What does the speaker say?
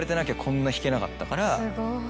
すごい。